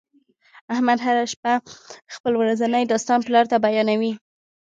احمد هر شپه خپل ورځنی داستان پلار ته بیانوي.